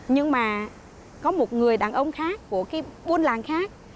nhưng mà có một người đàn ông khác của cái buôn làng khác